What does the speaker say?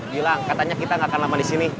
bilang katanya kita gak akan lama disini